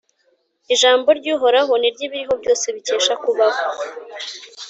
Ijambo ry’Uhoraho ni ryo ibiriho byose bikesha kubaho.